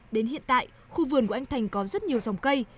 đến hiện tại khu vườn của anh thành có rất nhiều dòng cây